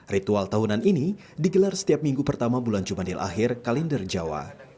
ritual tahunan ini digelar setiap minggu pertama bulan jumandil akhir kalender jawa